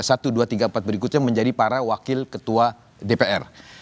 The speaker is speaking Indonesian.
satu dua tiga empat berikutnya menjadi para wakil ketua dpr